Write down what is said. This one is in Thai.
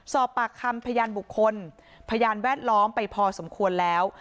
สอบปากคำพยานบุคคลพยานแวดล้อมไปพอสมควรแล้ว